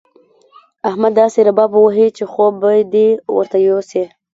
احمد داسې رباب وهي چې خوب به دې ورته يوسي.